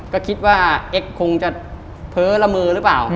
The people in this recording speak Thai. ก็คิดว่าเอ็กซคงจะเพ้อละมือหรือเปล่า